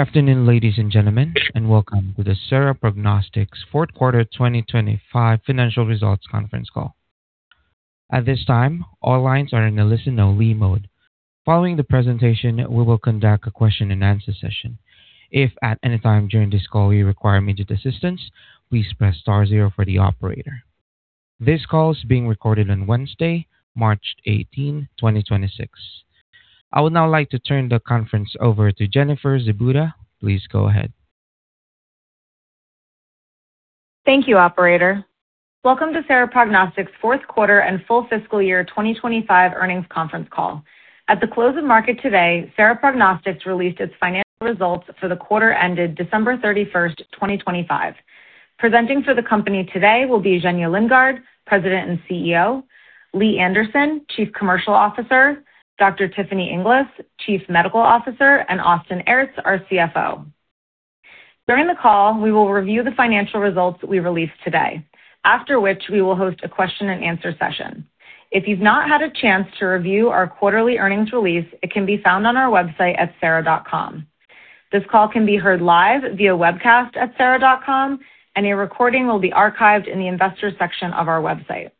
Afternoon, ladies and gentlemen, and welcome to the Sera Prognostics fourth quarter 2025 financial results conference call. At this time, all lines are in a listen-only mode. Following the presentation, we will conduct a question-and-answer session. If at any time during this call you require immediate assistance, please press star zero for the operator. This call is being recorded on Wednesday, March 18, 2026. I would now like to turn the conference over to Jennifer Zibuda. Please go ahead. Thank you, operator. Welcome to Sera Prognostics fourth quarter and full fiscal year 2025 earnings conference call. At the close of market today, Sera Prognostics released its financial results for the quarter ended December 31, 2025. Presenting for the company today will be Zhenya Lindgardt, President and CEO, Lee Anderson, Chief Commercial Officer, Dr. Tiffany Inglis, Chief Medical Officer, and Austin Aerts, our CFO. During the call, we will review the financial results we released today, after which we will host a question-and-answer session. If you've not had a chance to review our quarterly earnings release, it can be found on our website at sera.com. This call can be heard live via webcast at sera.com, and a recording will be archived in the investors section of our website.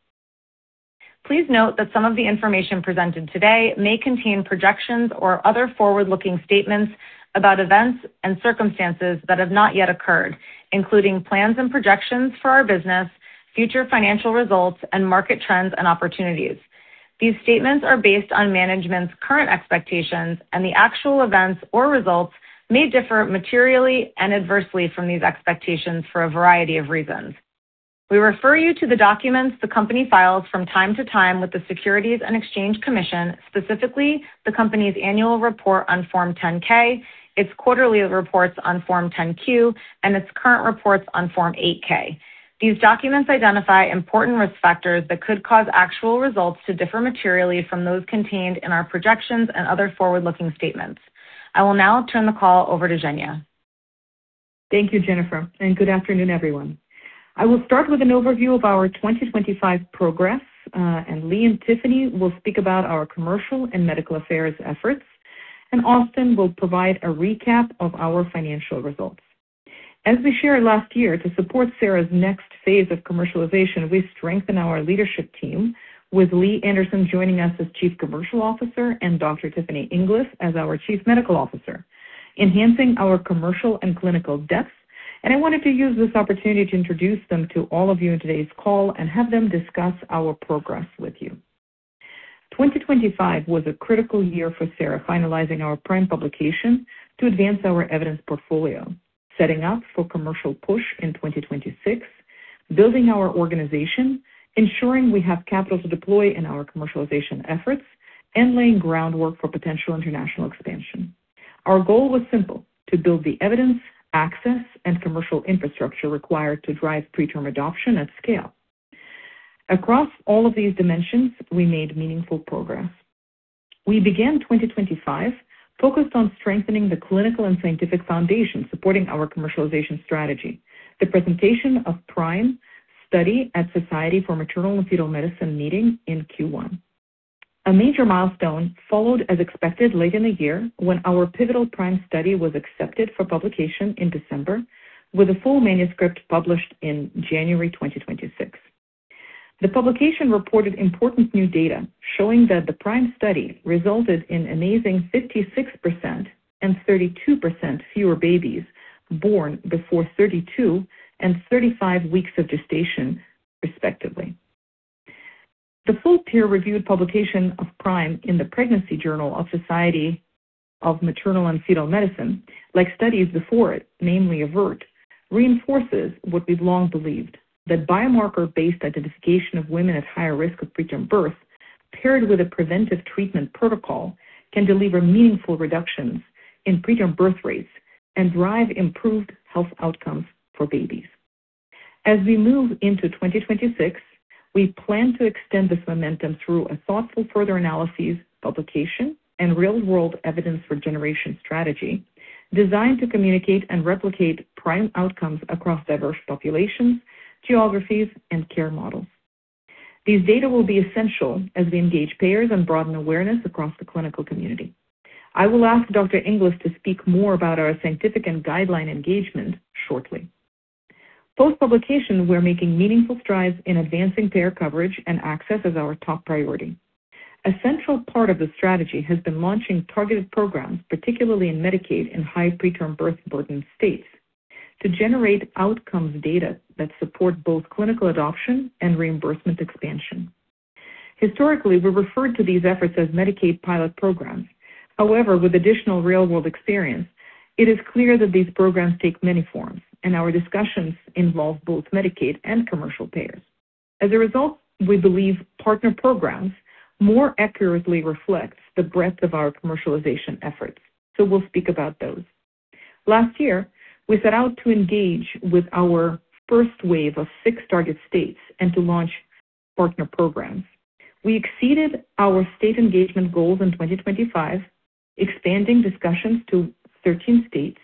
Please note that some of the information presented today may contain projections or other forward-looking statements about events and circumstances that have not yet occurred, including plans and projections for our business, future financial results, and market trends and opportunities. These statements are based on management's current expectations, and the actual events or results may differ materially and adversely from these expectations for a variety of reasons. We refer you to the documents the company files from time to time with the Securities and Exchange Commission, specifically the company's annual report on Form 10-K, its quarterly reports on Form 10-Q, and its current reports on Form 8-K. These documents identify important risk factors that could cause actual results to differ materially from those contained in our projections and other forward-looking statements. I will now turn the call over to Zhenya. Thank you, Jennifer, and good afternoon, everyone. I will start with an overview of our 2025 progress, and Lee and Tiffany will speak about our commercial and medical affairs efforts, and Austin will provide a recap of our financial results. As we shared last year, to support Sera's next phase of commercialization, we strengthened our leadership team with Lee Anderson joining us as Chief Commercial Officer and Dr. Tiffany Inglis as our Chief Medical Officer, enhancing our commercial and clinical depth. I wanted to use this opportunity to introduce them to all of you in today's call and have them discuss our progress with you. 2025 was a critical year for Sera, finalizing our PRIME publication to advance our evidence portfolio, setting up for commercial push in 2026, building our organization, ensuring we have capital to deploy in our commercialization efforts, and laying groundwork for potential international expansion. Our goal was simple: to build the evidence, access, and commercial infrastructure required to drive preTRM adoption at scale. Across all of these dimensions, we made meaningful progress. We began 2025 focused on strengthening the clinical and scientific foundation supporting our commercialization strategy. The presentation of PRIME study at Society for Maternal-Fetal Medicine meeting in Q1. A major milestone followed as expected late in the year when our pivotal PRIME study was accepted for publication in December, with a full manuscript published in January 2026. The publication reported important new data showing that the PRIME study resulted in amazing 56% and 32% fewer babies born before 32 and 35 weeks of gestation, respectively. The full peer-reviewed publication of PRIME in the Pregnancy journal of the Society for Maternal-Fetal Medicine, like studies before it, namely AVERT, reinforces what we've long believed: that biomarker-based identification of women at higher risk of preterm birth paired with a preventive treatment protocol can deliver meaningful reductions in preterm birth rates and drive improved health outcomes for babies. As we move into 2026, we plan to extend this momentum through a thoughtful further analysis, publication, and real-world evidence generation strategy designed to communicate and replicate PRIME outcomes across diverse populations, geographies, and care models. These data will be essential as we engage payers and broaden awareness across the clinical community. I will ask Dr. Inglis to speak more about our scientific and guideline engagement shortly. Post-publication, we're making meaningful strides in advancing payer coverage and access as our top priority. A central part of the strategy has been launching targeted programs, particularly in Medicaid and high preterm birth burden states, to generate outcomes data that support both clinical adoption and reimbursement expansion. Historically, we referred to these efforts as Medicaid pilot programs. However, with additional real-world experience, it is clear that these programs take many forms, and our discussions involve both Medicaid and commercial payers. As a result, we believe partner programs more accurately reflects the breadth of our commercialization efforts, so we'll speak about those. Last year, we set out to engage with our first wave of six target states and to launch partner programs. We exceeded our state engagement goals in 2025, expanding discussions to 13 states,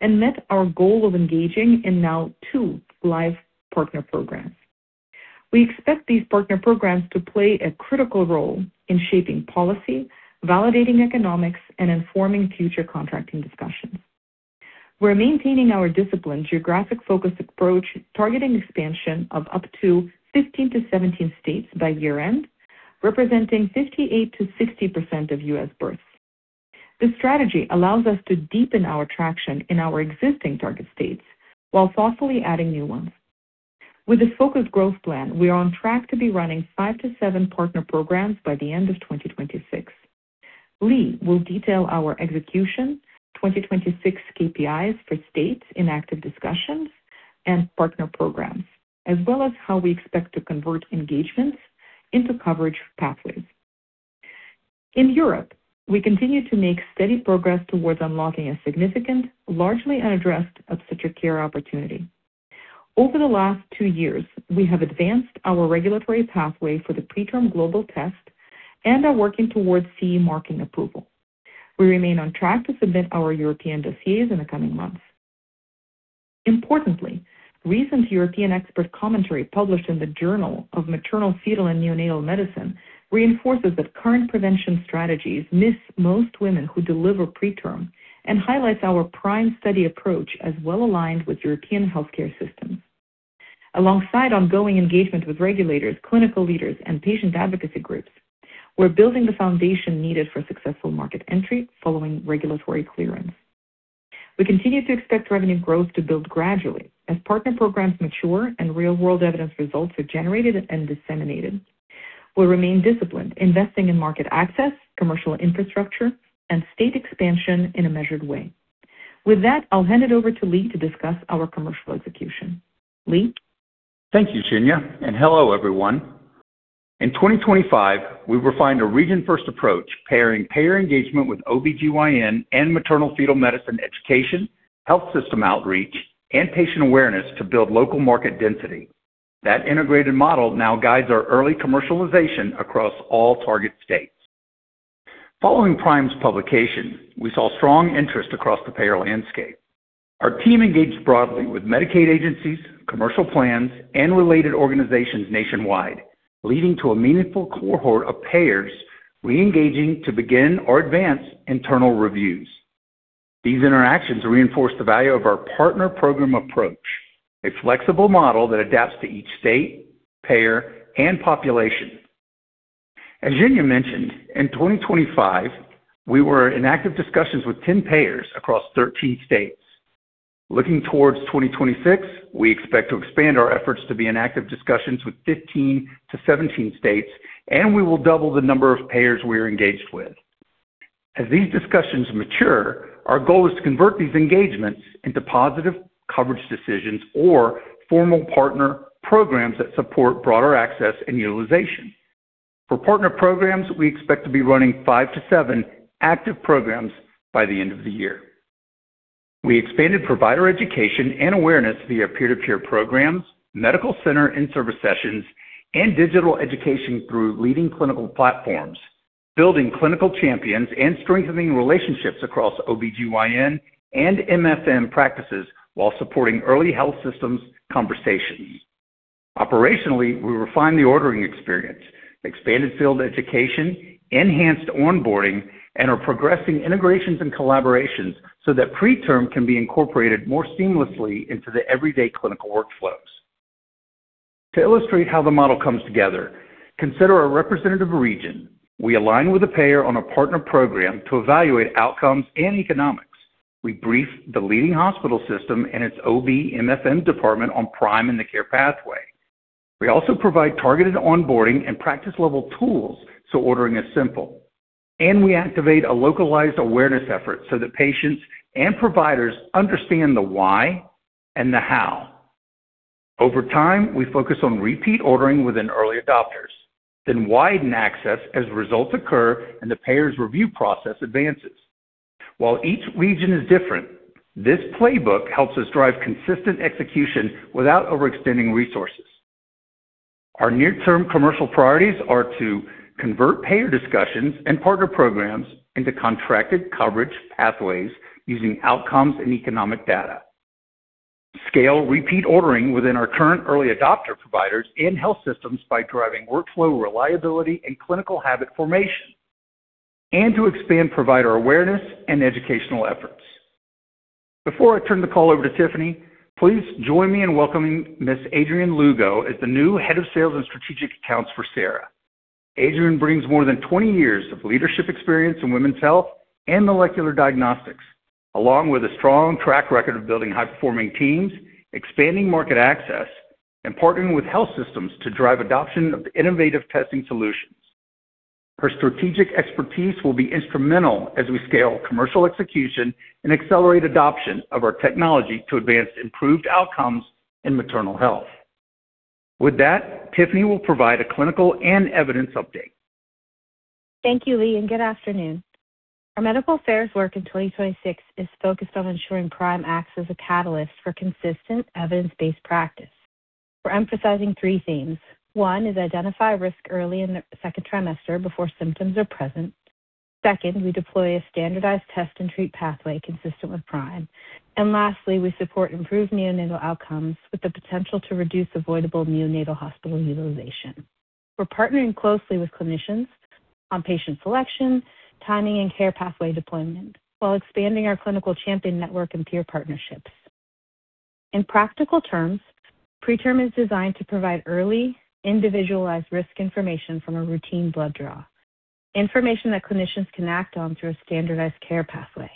and met our goal of engaging in now 2 live partner programs. We expect these partner programs to play a critical role in shaping policy, validating economics, and informing future contracting discussions. We're maintaining our disciplined geographic focus approach, targeting expansion of up to 15-17 states by year-end, representing 58%-60% of U.S. births. This strategy allows us to deepen our traction in our existing target states while thoughtfully adding new ones. With this focused growth plan, we are on track to be running 5-7 partner programs by the end of 2026. Lee will detail our execution, 2026 KPIs for states in active discussions and partner programs, as well as how we expect to convert engagements into coverage pathways. In Europe, we continue to make steady progress towards unlocking a significant, largely unaddressed obstetric care opportunity. Over the last two years, we have advanced our regulatory pathway for the PreTRM Global Test and are working towards CE marking approval. We remain on track to submit our European dossiers in the coming months. Importantly, recent European expert commentary published in the Journal of Maternal-Fetal & Neonatal Medicine reinforces that current prevention strategies miss most women who deliver preterm and highlights our PRIME study approach as well-aligned with European healthcare systems. Alongside ongoing engagement with regulators, clinical leaders, and patient advocacy groups, we're building the foundation needed for successful market entry following regulatory clearance. We continue to expect revenue growth to build gradually as partner programs mature and real-world evidence results are generated and disseminated. We remain disciplined, investing in market access, commercial infrastructure, and state expansion in a measured way. With that, I'll hand it over to Lee to discuss our commercial execution. Lee? Thank you, Zhenya Lindgardt, and hello, everyone. In 2025, we refined a region-first approach pairing payer engagement with OBGYN and maternal-fetal medicine, education, health system outreach, and patient awareness to build local market density. That integrated model now guides our early commercialization across all target states. Following PRIME's publication, we saw strong interest across the payer landscape. Our team engaged broadly with Medicaid agencies, commercial plans, and related organizations nationwide, leading to a meaningful cohort of payers re-engaging to begin or advance internal reviews. These interactions reinforce the value of our partner program approach, a flexible model that adapts to each state, payer, and population. As Zhenya Lindgardt mentioned, in 2025, we were in active discussions with 10 payers across 13 states. Looking towards 2026, we expect to expand our efforts to be in active discussions with 15-17 states, and we will double the number of payers we are engaged with. As these discussions mature, our goal is to convert these engagements into positive coverage decisions or formal partner programs that support broader access and utilization. For partner programs, we expect to be running 5-7 active programs by the end of the year. We expanded provider education and awareness via peer-to-peer programs, medical center in-service sessions, and digital education through leading clinical platforms, building clinical champions and strengthening relationships across OBGYN and MFM practices while supporting early health systems conversations. Operationally, we refine the ordering experience, expanded field education, enhanced onboarding, and are progressing integrations and collaborations so that PreTRM can be incorporated more seamlessly into the everyday clinical workflows. To illustrate how the model comes together, consider a representative region. We align with a payer on a partner program to evaluate outcomes and economics. We brief the leading hospital system and its OB/MFM department on PRIME and the care pathway. We also provide targeted onboarding and practice level tools, so ordering is simple, and we activate a localized awareness effort so that patients and providers understand the why and the how. Over time, we focus on repeat ordering within early adopters, then widen access as results occur and the payer's review process advances. While each region is different, this playbook helps us drive consistent execution without overextending resources. Our near-term commercial priorities are to convert payer discussions and partner programs into contracted coverage pathways using outcomes and economic data, scale repeat ordering within our current early adopter providers and health systems by driving workflow reliability and clinical habit formation, and to expand provider awareness and educational efforts. Before I turn the call over to Tiffany, please join me in welcoming Ms. Adrienne Lubeau as the new Head of Sales and Strategic Accounts for Sera. Adrienne brings more than 20 years of leadership experience in women's health and molecular diagnostics, along with a strong track record of building high-performing teams, expanding market access, and partnering with health systems to drive adoption of innovative testing solutions. Her strategic expertise will be instrumental as we scale commercial execution and accelerate adoption of our technology to advance improved outcomes in maternal health. With that, Tiffany will provide a clinical and evidence update. Thank you, Lee, and good afternoon. Our medical affairs work in 2026 is focused on ensuring PRIME acts as a catalyst for consistent evidence-based practice. We're emphasizing three themes. One is identify risk early in the second trimester before symptoms are present. Second, we deploy a standardized test and treat pathway consistent with PRIME. Lastly, we support improved neonatal outcomes with the potential to reduce avoidable neonatal hospital utilization. We're partnering closely with clinicians on patient selection, timing, and care pathway deployment while expanding our clinical champion network and peer partnerships. In practical terms, PreTRM is designed to provide early individualized risk information from a routine blood draw, information that clinicians can act on through a standardized care pathway.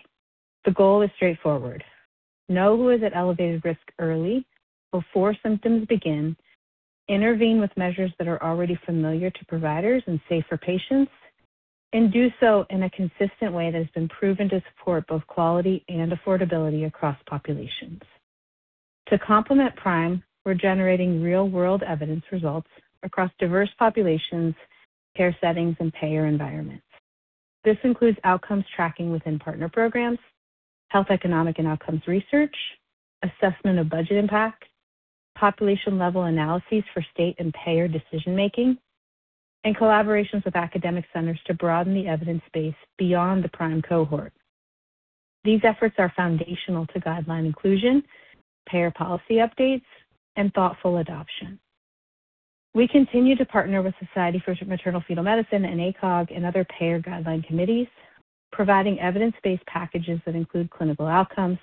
The goal is straightforward. Know who is at elevated risk early before symptoms begin, intervene with measures that are already familiar to providers and safe for patients, and do so in a consistent way that has been proven to support both quality and affordability across populations. To complement PRIME, we're generating real-world evidence results across diverse populations, care settings, and payer environments. This includes outcomes tracking within partner programs, health economic and outcomes research, assessment of budget impact, population-level analyses for state and payer decision-making, and collaborations with academic centers to broaden the evidence base beyond the PRIME cohort. These efforts are foundational to guideline inclusion, payer policy updates, and thoughtful adoption. We continue to partner with Society for Maternal-Fetal Medicine and ACOG and other payer guideline committees, providing evidence-based packages that include clinical outcomes,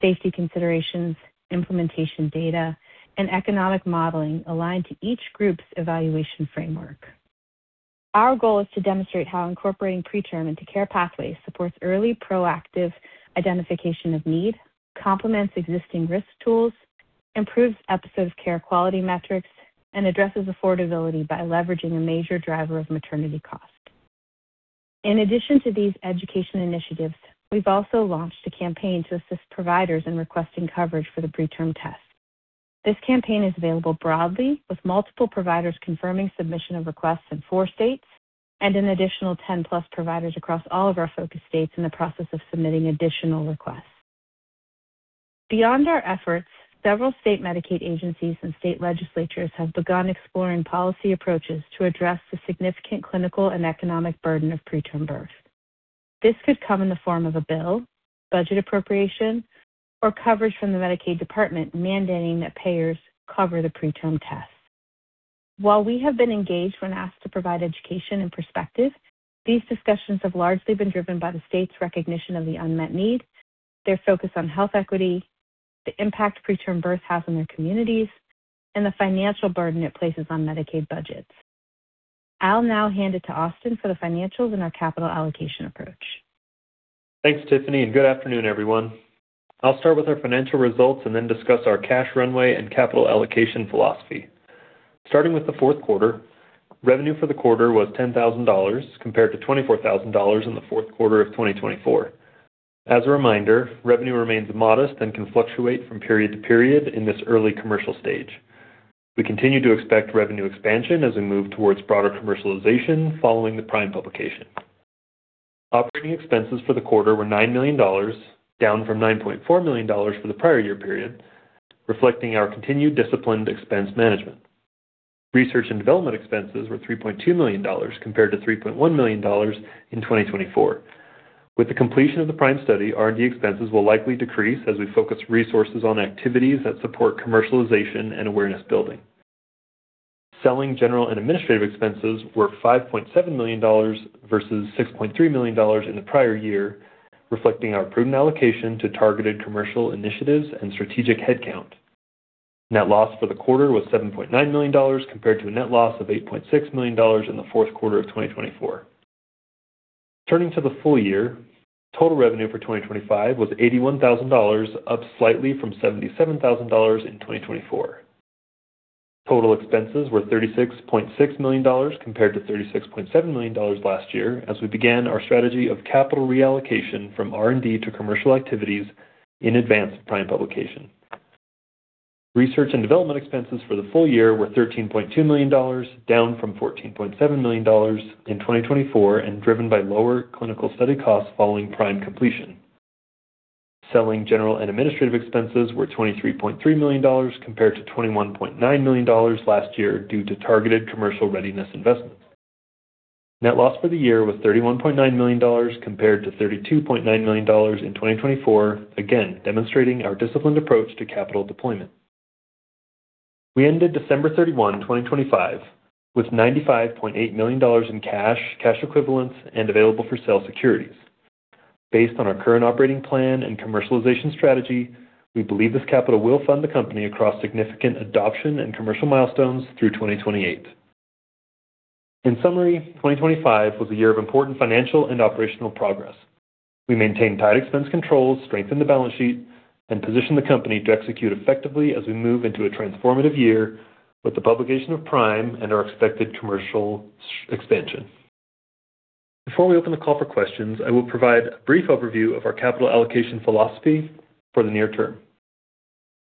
safety considerations, implementation data, and economic modeling aligned to each group's evaluation framework. Our goal is to demonstrate how incorporating PreTRM into care pathways supports early proactive identification of need, complements existing risk tools, improves episode of care quality metrics, and addresses affordability by leveraging a major driver of maternity costs. In addition to these education initiatives, we've also launched a campaign to assist providers in requesting coverage for the PreTRM test. This campaign is available broadly, with multiple providers confirming submission of requests in four states and an additional 10-plus providers across all of our focus states in the process of submitting additional requests. Beyond our efforts, several state Medicaid agencies and state legislatures have begun exploring policy approaches to address the significant clinical and economic burden of preterm birth. This could come in the form of a bill, budget appropriation, or coverage from the Medicaid department mandating that payers cover the PreTRM test. While we have been engaged when asked to provide education and perspective, these discussions have largely been driven by the state's recognition of the unmet need, their focus on health equity, the impact preterm birth has on their communities, and the financial burden it places on Medicaid budgets. I'll now hand it to Austin for the financials and our capital allocation approach. Thanks, Tiffany, and good afternoon, everyone. I'll start with our financial results and then discuss our cash runway and capital allocation philosophy. Starting with the fourth quarter, revenue for the quarter was $10,000 compared to $24,000 in the fourth quarter of 2024. As a reminder, revenue remains modest and can fluctuate from period to period in this early commercial stage. We continue to expect revenue expansion as we move towards broader commercialization following the PRIME publication. Operating expenses for the quarter were $9 million, down from $9.4 million for the prior year period, reflecting our continued disciplined expense management. Research and development expenses were $3.2 million compared to $3.1 million in 2024. With the completion of the PRIME study, R&D expenses will likely decrease as we focus resources on activities that support commercialization and awareness building. Selling, general, and administrative expenses were $5.7 million versus $6.3 million in the prior year, reflecting our prudent allocation to targeted commercial initiatives and strategic headcount. Net loss for the quarter was $7.9 million compared to a net loss of $8.6 million in the fourth quarter of 2024. Turning to the full year, total revenue for 2025 was $81,000, up slightly from $77,000 in 2024. Total expenses were $36.6 million compared to $36.7 million last year as we began our strategy of capital reallocation from R&D to commercial activities in advance of PRIME publication. Research and development expenses for the full year were $13.2 million, down from $14.7 million in 2024 and driven by lower clinical study costs following PRIME completion. Selling, general, and administrative expenses were $23.3 million compared to $21.9 million last year due to targeted commercial readiness investments. Net loss for the year was $31.9 million compared to $32.9 million in 2024, again demonstrating our disciplined approach to capital deployment. We ended December 31, 2025, with $95.8 million in cash equivalents, and available-for-sale securities. Based on our current operating plan and commercialization strategy, we believe this capital will fund the company across significant adoption and commercial milestones through 2028. In summary, 2025 was a year of important financial and operational progress. We maintained tight expense controls, strengthened the balance sheet, and positioned the company to execute effectively as we move into a transformative year with the publication of PRIME and our expected commercial expansion. Before we open the call for questions, I will provide a brief overview of our capital allocation philosophy for the near term.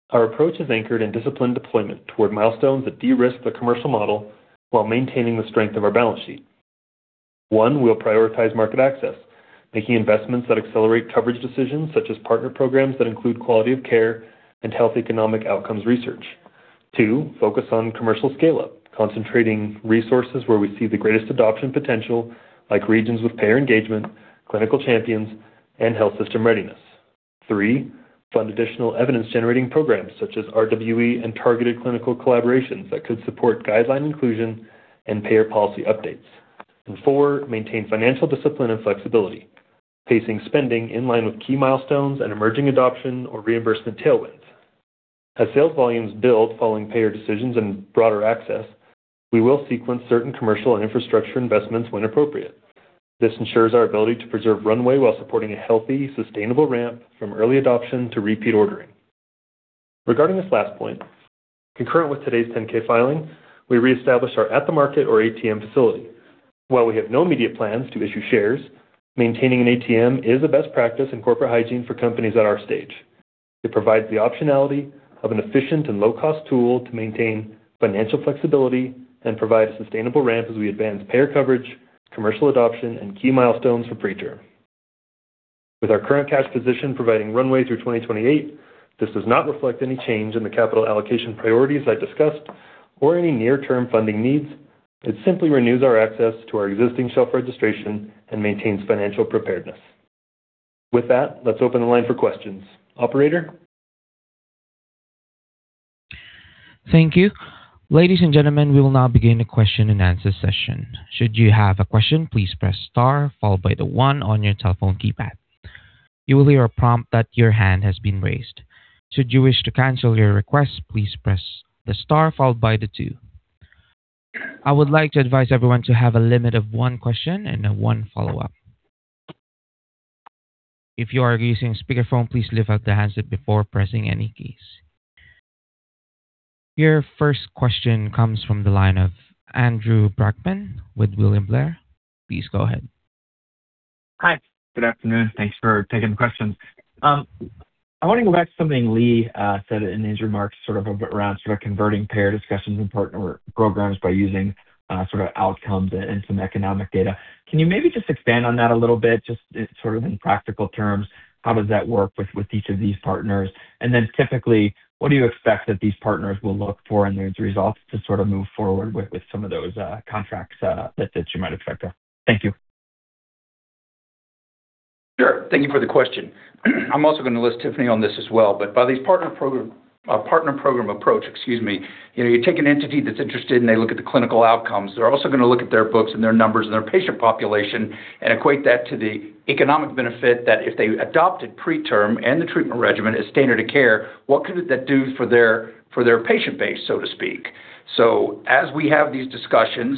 Our approach is anchored in disciplined deployment toward milestones that de-risk the commercial model while maintaining the strength of our balance sheet. One, we'll prioritize market access, making investments that accelerate coverage decisions such as partner programs that include quality of care and health economic outcomes research. 2, focus on commercial scale-up, concentrating resources where we see the greatest adoption potential, like regions with payer engagement, clinical champions, and health system readiness. 3, fund additional evidence-generating programs such as RWE and targeted clinical collaborations that could support guideline inclusion and payer policy updates. 4, maintain financial discipline and flexibility, pacing spending in line with key milestones and emerging adoption or reimbursement tailwinds. As sales volumes build following payer decisions and broader access, we will sequence certain commercial and infrastructure investments when appropriate. This ensures our ability to preserve runway while supporting a healthy, sustainable ramp from early adoption to repeat ordering. Regarding this last point, concurrent with today's 10-K filing, we reestablished our at-the-market or ATM facility. While we have no immediate plans to issue shares, maintaining an ATM is a best practice in corporate hygiene for companies at our stage. It provides the optionality of an efficient and low-cost tool to maintain financial flexibility and provide a sustainable ramp as we advance payer coverage, commercial adoption, and key milestones for preterm. With our current cash position providing runway through 2028, this does not reflect any change in the capital allocation priorities I discussed or any near-term funding needs. It simply renews our access to our existing shelf registration and maintains financial preparedness. With that, let's open the line for questions. Operator? Thank you. Ladies and gentlemen, we will now begin the question-and-answer session. Should you have a question, please press star followed by the one on your telephone keypad. You will hear a prompt that your hand has been raised. Should you wish to cancel your request, please press the star followed by the two. I would like to advise everyone to have a limit of one question and one follow-up. If you are using speakerphone, please lift up the handset before pressing any keys. Your first question comes from the line of Andrew Brackmann with William Blair. Please go ahead. Hi. Good afternoon. Thanks for taking the questions. I want to go back to something Lee said in his remarks sort of around sort of converting payer discussions and partner programs by using sort of outcomes and some economic data. Can you maybe just expand on that a little bit, just sort of in practical terms, how does that work with each of these partners? Typically, what do you expect that these partners will look for in these results to sort of move forward with some of those contracts that you might expect there? Thank you. Sure. Thank you for the question. I'm also going to list Tiffany on this as well. By these partner program approach, excuse me, you know, you take an entity that's interested, and they look at the clinical outcomes. They're also going to look at their books and their numbers and their patient population and equate that to the economic benefit that if they adopted preterm and the treatment regimen as standard of care, what could that do for their patient base, so to speak. As we have these discussions,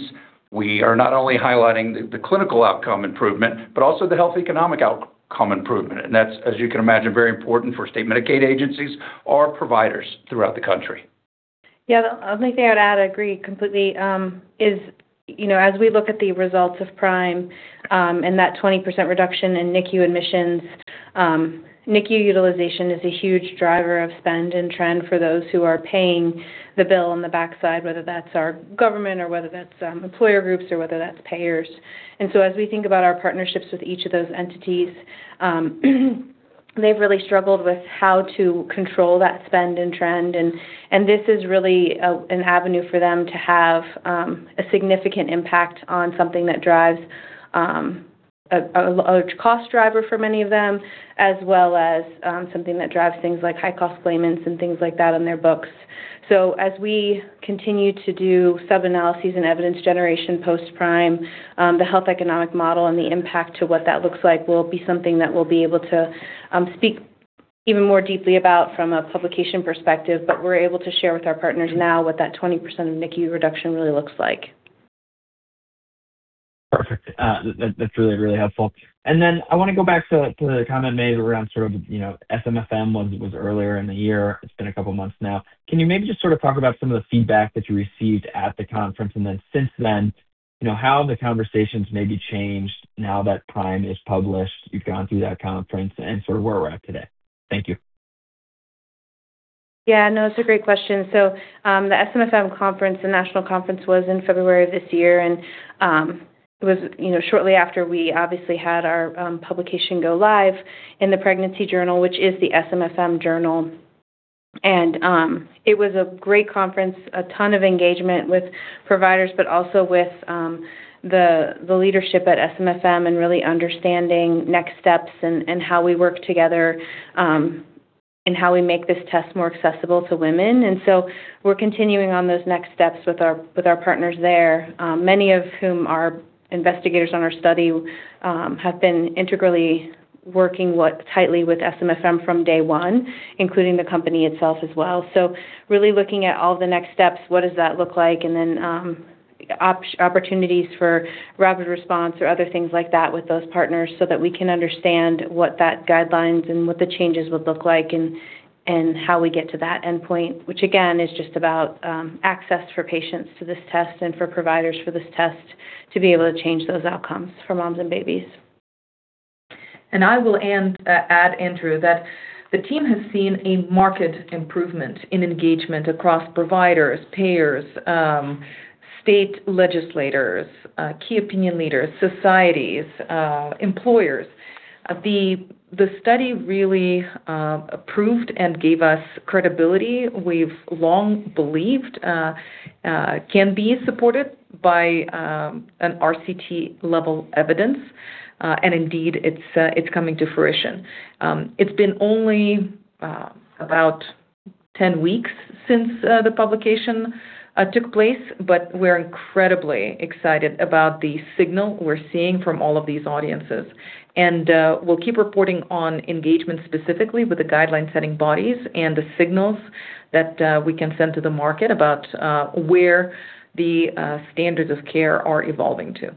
we are not only highlighting the clinical outcome improvement, but also the health economic outcome improvement. That's, as you can imagine, very important for state Medicaid agencies or providers throughout the country. Yeah. The only thing I would add, I agree completely, is, you know, as we look at the results of PRIME, and that 20% reduction in NICU admissions, NICU utilization is a huge driver of spend and trend for those who are paying the bill on the backside, whether that's our government or whether that's employer groups or whether that's payers. This is really an avenue for them to have a significant impact on something that drives a large cost driver for many of them, as well as something that drives things like high-cost claimants and things like that on their books. As we continue to do sub-analyses and evidence generation post-PRIME, the health economic model and the impact to what that looks like will be something that we'll be able to speak even more deeply about from a publication perspective. We're able to share with our partners now what that 20% of NICU reduction really looks like. Perfect. That’s really, really helpful. Then I want to go back to the comment made around sort of, you know, SMFM was earlier in the year. It’s been a couple months now. Can you maybe just sort of talk about some of the feedback that you received at the conference and then since then, you know, how the conversations maybe changed now that PRIME is published, you’ve gone through that conference and sort of where we’re at today? Thank you. Yeah. No, it's a great question. The SMFM conference, the national conference was in February of this year, and it was, you know, shortly after we obviously had our publication go live in the Pregnancy Journal, which is the SMFM journal. It was a great conference, a ton of engagement with providers, but also with the leadership at SMFM and really understanding next steps and how we work together, and how we make this test more accessible to women. We're continuing on those next steps with our partners there, many of whom are investigators on our study, have been integrally working tightly with SMFM from day one, including the company itself as well. Really looking at all the next steps, what does that look like? Opportunities for rapid response or other things like that with those partners so that we can understand what those guidelines and what the changes would look like and how we get to that endpoint, which again is just about access for patients to this test and for providers for this test to be able to change those outcomes for moms and babies. I will add, Andrew, that the team has seen a marked improvement in engagement across providers, payers, state legislators, key opinion leaders, societies, employers. The study really approved and gave us credibility we've long believed can be supported by an RCT-level evidence. Indeed it's coming to fruition. It's been only about 10 weeks since the publication took place, but we're incredibly excited about the signal we're seeing from all of these audiences. We'll keep reporting on engagement specifically with the guideline setting bodies and the signals that we can send to the market about where the standards of care are evolving to.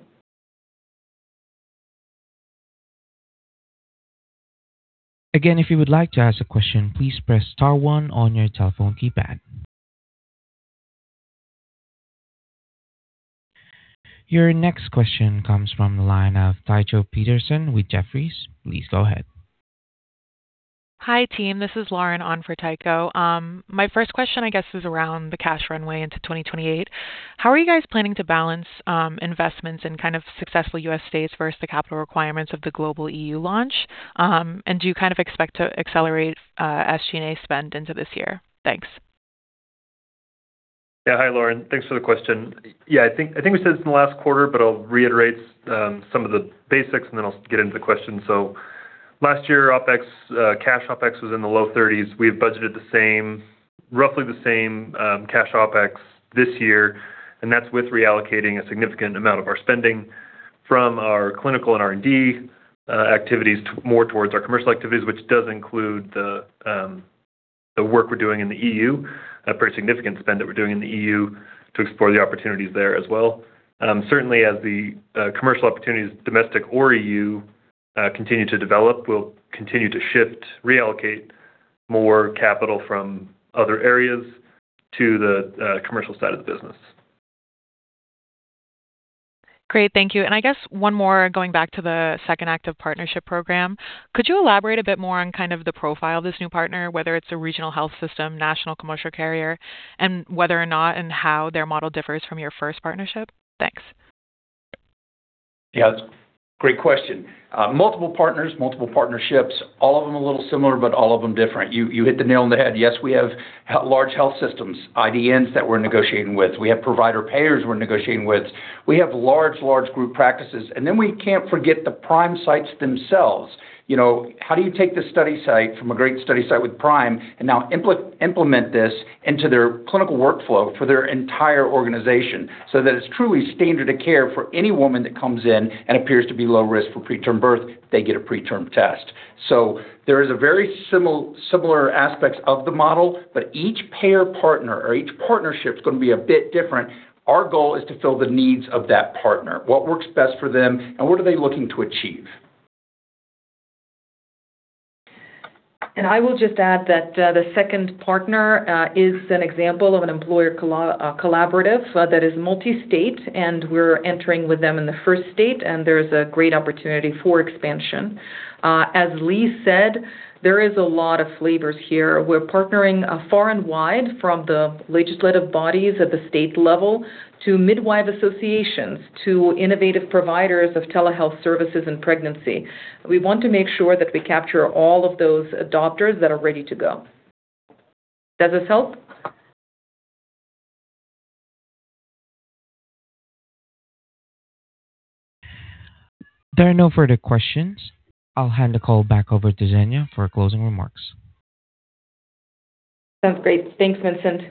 Again, if you would like to ask a question, please press star one on your telephone keypad. Your next question comes from the line of Tycho Peterson with Jefferies. Please go ahead. Hi, team. This is Lauren on for Tycho. My first question, I guess, is around the cash runway into 2028. How are you guys planning to balance investments in kind of successful U.S. states versus the capital requirements of the global EU launch? Do you kind of expect to accelerate SG&A spend into this year? Thanks. Yeah. Hi, Lauren. Thanks for the question. Yeah, I think we said this in the last quarter, but I'll reiterate some of the basics, and then I'll get into the question. Last year, OpEx, cash OpEx was in the low 30s. We have budgeted roughly the same cash OpEx this year, and that's with reallocating a significant amount of our spending from our clinical and R&D activities more towards our commercial activities, which does include the work we're doing in the EU, a pretty significant spend that we're doing in the EU to explore the opportunities there as well. Certainly as the commercial opportunities, domestic or EU, continue to develop, we'll continue to shift, reallocate more capital from other areas to the commercial side of the business. Great. Thank you. I guess one more going back to the second act of partnership program. Could you elaborate a bit more on kind of the profile of this new partner, whether it's a regional health system, national commercial carrier, and whether or not and how their model differs from your first partnership? Thanks. Yeah, great question. Multiple partners, multiple partnerships, all of them a little similar, but all of them different. You hit the nail on the head. Yes, we have large health systems, IDNs that we're negotiating with. We have provider payers we're negotiating with. We have large group practices. We can't forget the PRIME sites themselves. You know, how do you take the study site from a great study site with PRIME and now implement this into their clinical workflow for their entire organization so that it's truly standard of care for any woman that comes in and appears to be low risk for preterm birth, they get a PreTRM test. There is a very similar aspects of the model, but each payer partner or each partnership is gonna be a bit different. Our goal is to fill the needs of that partner, what works best for them and what are they looking to achieve. I will just add that, the second partner is an example of an employer collaborative that is multi-state, and we're entering with them in the first state, and there's a great opportunity for expansion. As Lee said, there is a lot of flavors here. We're partnering far and wide from the legislative bodies at the state level to midwife associations to innovative providers of telehealth services in pregnancy. We want to make sure that we capture all of those adopters that are ready to go. Does this help? There are no further questions. I'll hand the call back over to Zhenya Lindgardt for closing remarks. Sounds great. Thanks, Vincent.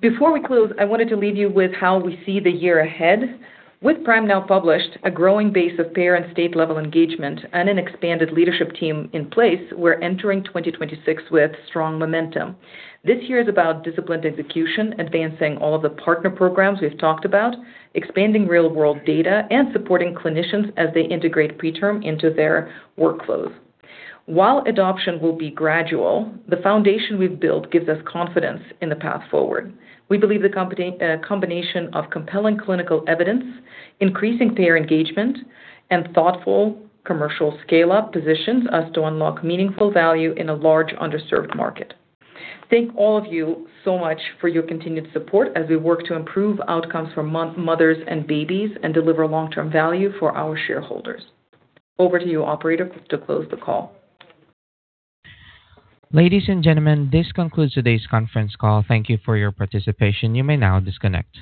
Before we close, I wanted to leave you with how we see the year ahead. With PRIME now published, a growing base of payer and state-level engagement and an expanded leadership team in place, we're entering 2026 with strong momentum. This year is about disciplined execution, advancing all of the partner programs we've talked about, expanding real-world data, and supporting clinicians as they integrate PreTRM into their workflows. While adoption will be gradual, the foundation we've built gives us confidence in the path forward. We believe the combination of compelling clinical evidence, increasing payer engagement, and thoughtful commercial scale-up positions us to unlock meaningful value in a large underserved market. Thank all of you so much for your continued support as we work to improve outcomes for mothers and babies and deliver long-term value for our shareholders. Over to you, operator, to close the call. Ladies and gentlemen, this concludes today's conference call. Thank you for your participation. You may now disconnect.